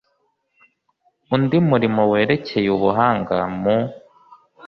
undi murimo werekeye ubuhanga mu